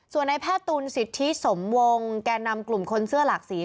ส่วนในแพทย์ตุลสิทธิสมวงแก่นำกลุ่มคนเสื้อหลากสี